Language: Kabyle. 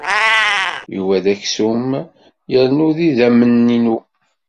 Yuba d aksum yernu d idammen-inu.